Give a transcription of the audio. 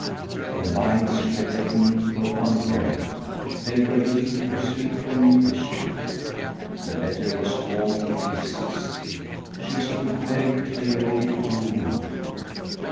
The lines she had written were condemned: they were ludicrously inefficient. The letter was torn to pieces. She stood very clearly doomed.